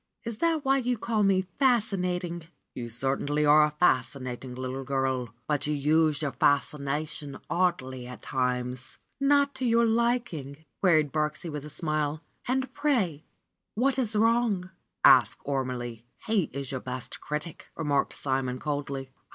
Is that why you call me fascinating?" "You certainly are fascinating, little girl, but you use your fascination oddly at times." "Not to your liking?" queried Birksie with a smile. "And pray what is wrong?" "Ask Ormelie. He is your best critic," remarked Simon coldly.